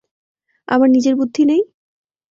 আমার নিজের বুদ্ধি নেই?